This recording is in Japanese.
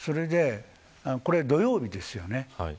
これは土曜日ですね。